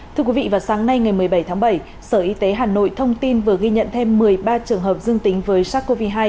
thưa quý vị vào sáng nay ngày một mươi bảy tháng bảy sở y tế hà nội thông tin vừa ghi nhận thêm một mươi ba trường hợp dương tính với sars cov hai